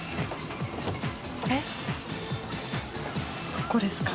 ここですか？